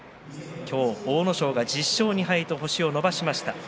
今日、阿武咲が１０勝２敗と星を伸ばしました。